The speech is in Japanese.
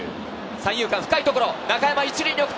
三遊間の深いところ。